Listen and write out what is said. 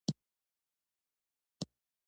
ځینې محصلین د پروژې په ډله کې فعال وي.